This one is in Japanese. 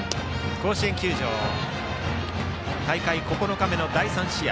甲子園球場大会９日目の第３試合。